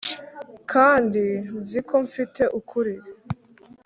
kandi nzi ko mfite ukuri